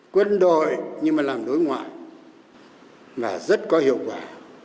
quân đội nhưng mà làm đối ngoại mà rất có hiệu quả